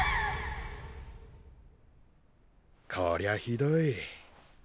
こりゃひどい。